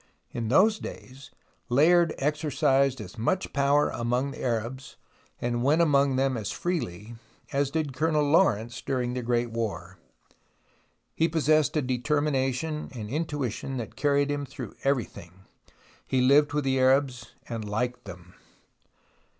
In those days Layard exercised as much power among the Arabs, and went among them as freely, as did Colonel Lawrence during the Great War. He possessed a determination and intuition that carried him through everything. He lived with the Arabs, and like them.